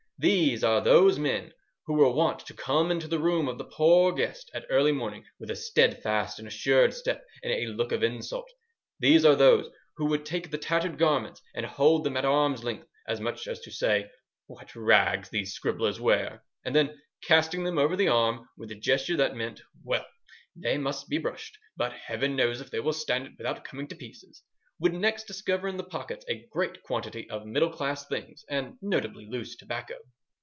These are those men who were wont to come into the room of the Poor Guest at early morning, with a steadfast and assured step, and a look of insult. These are those who would take the tattered garments and hold them at arm's length, as much as to say: "What rags these scribblers wear!" and then, casting them over the arm, with a gesture that meant: "Well, they must be brushed, but Heaven knows if they will stand it without coming to pieces!" would next discover in the pockets a great quantity of middle class things, and notably loose tobacco....